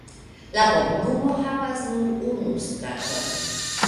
La komunumo havas nur unu straton.